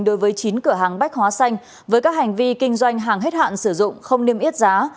đối với chín cửa hàng bách hóa xanh với các hành vi kinh doanh hàng hết hạn sử dụng không niêm yết giá